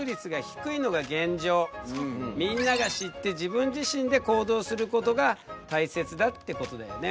みんなが知って自分自身で行動することが大切だってことだよね。